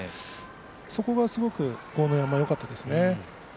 そこがすごく豪ノ山よかったです。